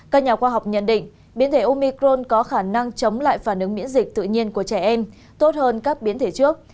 các nhà khoa học nhận định biến thể omicrone có khả năng chống lại phản ứng miễn dịch tự nhiên của trẻ em tốt hơn các biến thể trước